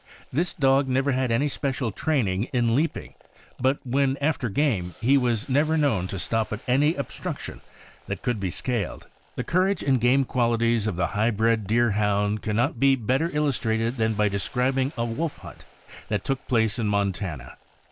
This dog never had any special training in leaping, but when after THE SCOTCH DEERHOUND. 185 game he was never known to stop at any obstruction that could be scaled. The courage and game qualities of the high bred Deer hound can not be better illustrated than by describing a wolf hunt which took place in Montana.